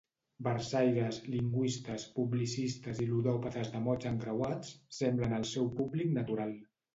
Versaires, lingüistes, publicistes i ludòpates dels mots encreuats semblen el seu públic natural.